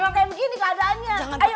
emang kayak begini keadaannya